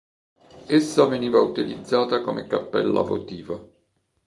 Essa veniva utilizzata come cappella votiva.